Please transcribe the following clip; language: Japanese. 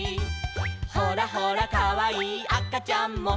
「ほらほらかわいいあかちゃんも」